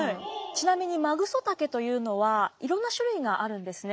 ちなみにマグソタケというのはいろんな種類があるんですね。